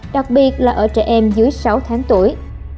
đặc biệt là ở trẻ em dưới sáu tháng tuổi